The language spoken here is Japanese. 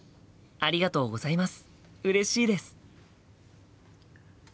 ありがとうございます！